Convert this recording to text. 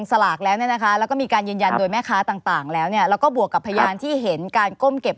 สลากแล้วเนี้ยนะคะแล้วก็มีการยันยันโดยแม่ภาคต่างต่าง